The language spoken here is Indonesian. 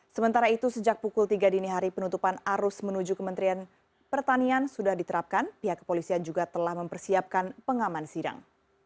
sementara itu sejak pukul tiga dini hari penutupan arus menuju kementerian pertanian sudah diterapkan pihak kepolisian juga telah mempersiapkan pengaman sidang